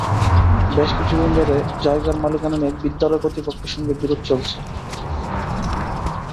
বেশ কিছুদিন ধরে জায়গার মালিকানা নিয়ে বিদ্যালয় কর্তৃপক্ষের সঙ্গে বিরোধ চলছে।